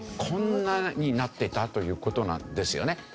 こんなになっていたという事なんですよね。